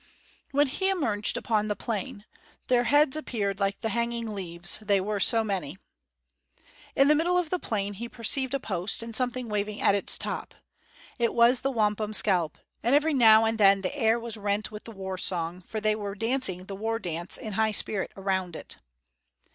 When he emerged upon the plain, their heads appeared like the hanging leaves, they were so many. In the middle of the plain he perceived a post and something waving at its top. It was the wampum scalp; and every now and then the air was rent with the war song, for they were dancing the war dance in high spirit around it.